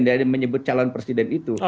dan menyebut calon presiden itu